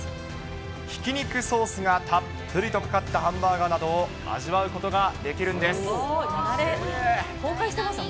ひき肉ソースがたっぷりとかかったハンバーガーなどを味わうこと崩壊してますよ。